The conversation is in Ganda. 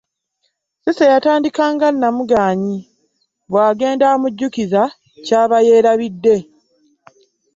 Cissy yatandika nga Nnamugaanyi bw'agenda amujjukiza ky'aba yeerabidde.